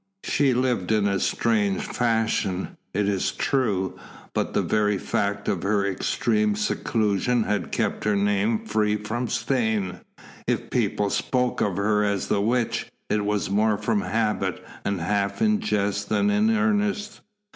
She lived in a strange fashion, it is true, but the very fact of her extreme seclusion had kept her name free from stain. If people spoke of her as the Witch, it was more from habit and half in jest than in earnest.